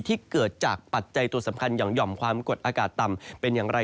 เกิดจากปัจจัยตัวสำคัญอย่างหย่อมความกดอากาศต่ำเป็นอย่างไร